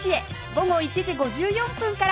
午後１時５４分から